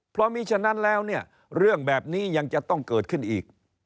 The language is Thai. เพราะมีฉะนั้นแล้วเนี่ยเรื่องแบบนี้ยังจะต้องเกิดขึ้นอีก